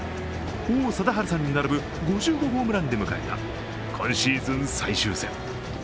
王貞治さんに並ぶ５５ホームランで迎えた今シーズン最終戦。